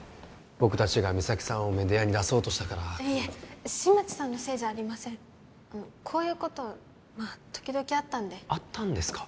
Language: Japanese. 僕達が三咲さんをメディアに出そうとしたからいえ新町さんのせいじゃありませんこういうことまあ時々あったんであったんですか？